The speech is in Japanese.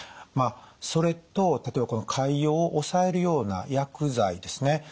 まあそれと例えば潰瘍を抑えるような薬剤ですね。